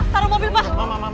taruh mobil mas